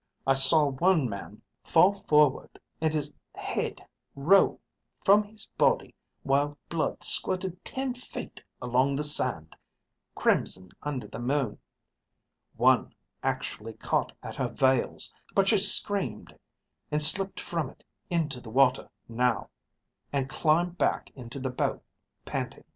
I saw one man fall forward and his head roll from his body while blood squirted ten feet along the sand, crimson under the moon. One actually caught at her veils, but she screamed and slipped from it into the water now, and climbed back into the boat, panting.